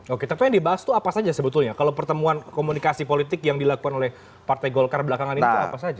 oke tapi yang dibahas itu apa saja sebetulnya kalau pertemuan komunikasi politik yang dilakukan oleh partai golkar belakangan itu apa saja